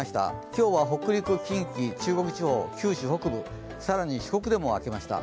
今日は北陸、近畿、中国地方、九州北部、更に四国でも明けました。